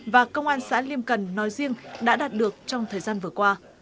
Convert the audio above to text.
và công an xã liêm cần nói riêng đã đạt được trong thời gian vừa qua